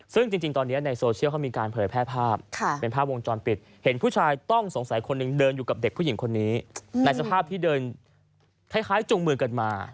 ซึ่งจริงตอนนี้ในโซเชียลเขามีการเผยแพร่ภาพเป็นภาพวงจรปิดเห็นผู้ชายต้องสงสัยคนหนึ่งเดินอยู่กับเด็กผู้หญิงคนนี้ในสภาพที่เดินคล้ายจุงมือกันมา